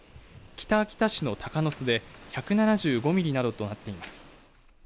北秋田市の鷹巣で１７５ミリなどとなっています。